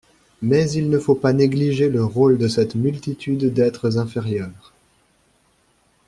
Mais il ne faut pas négliger le rôle de cette multitude d’êtres inférieurs.